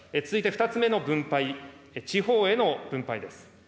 続いて２つ目の分配、地方への分配です。